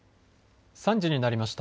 ３時になりました。